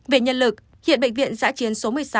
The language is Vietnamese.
về nhân lực hiện bệnh viện giã chiến số một mươi sáu